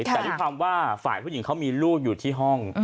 แต่ด้วยความว่าฝ่ายผู้หญิงเขามีลูกอยู่ที่ห้อง